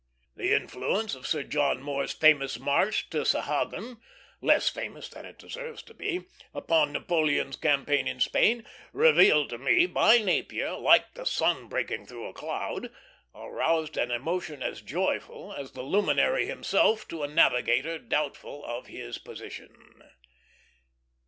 The influence of Sir John Moore's famous march to Sahagun less famous than it deserves to be upon Napoleon's campaign in Spain, revealed to me by Napier like the sun breaking through a cloud, aroused an emotion as joyful as the luminary himself to a navigator doubtful of his position.